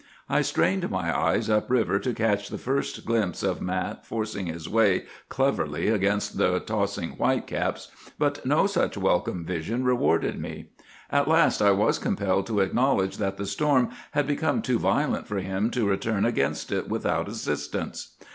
I strained my eyes up river to catch the first glimpse of Mat forcing his way cleverly against the tossing whitecaps. But no such welcome vision rewarded me. At last I was compelled to acknowledge that the storm had become too violent for him to return against it without assistance.